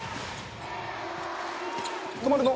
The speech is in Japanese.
「止まるの？